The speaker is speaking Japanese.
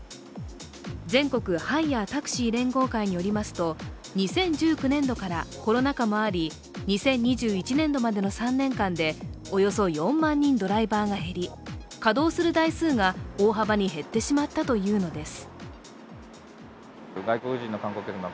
全国ハイヤー・タクシー連合会によりますと、２０１９年度からコロナ禍もあり２０２１年度までの３年間でおよそ４万人ドライバーが減り、稼働する台数が大幅に減ってしまったというのです。